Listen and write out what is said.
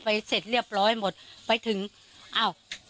เสร็จเรียบร้อยหมดไปถึงอ้าว